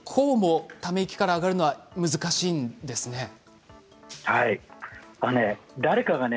ため池から上がるのは難しいんですね。